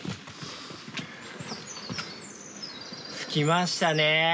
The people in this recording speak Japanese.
着きましたね。